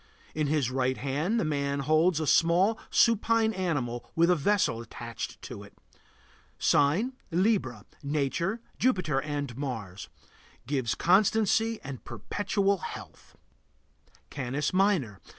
In his right hand the man holds a small, supine animal with a vessel attached to it. Sign: Libra. Nature: Jupiter and Mars. Gives constancy and perpetual health. CANIS MINOR.